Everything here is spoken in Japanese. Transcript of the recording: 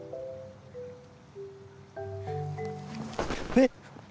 えっ！？